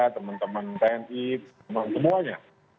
teman teman tni teman teman semuanya